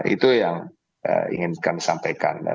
itu yang inginkan disampaikan